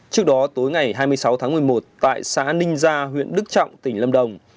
trước đó tối ngày hai mươi sáu tháng một mươi một tại xã ninh gia huyện đức trọng tỉnh lâm đồng